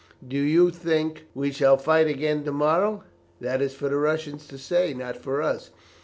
do you think we shall fight again to morrow?" "That is for the Russians to say, not for us.